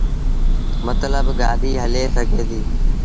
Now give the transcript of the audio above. متلب گآڏيٚ هلي سگھي ديٚ۔